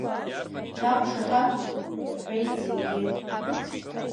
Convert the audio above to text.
Ҳақәшаҳаҭуп, — рҳәеит зегьы.